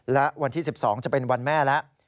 และวันที่๑๒จะเป็นวันแม่แล้ว